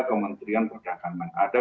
kementerian perdagangan ada